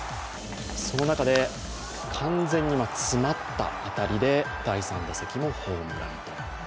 その中で完全に詰まった当たりで第３打席もホームランと。